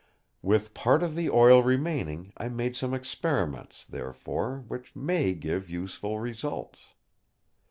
With part of the oil remaining I made some experiments, therefore, which may give useful results.